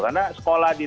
karena sekolah di dki nya